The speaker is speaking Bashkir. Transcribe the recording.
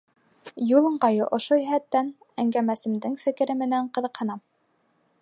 Юл ыңғайы ошо йәһәттән әңгәмәсемдең фекере менән ҡыҙыҡһынам.